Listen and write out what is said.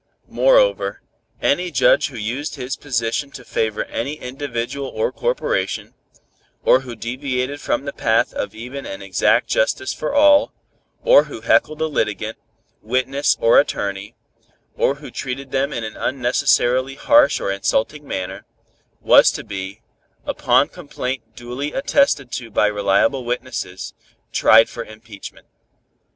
Moreover, any judge who used his position to favor any individual or corporation, or who deviated from the path of even and exact justice for all, or who heckled a litigant, witness or attorney, or who treated them in an unnecessarily harsh or insulting manner, was to be, upon complaint duly attested to by reliable witnesses, tried for impeachment.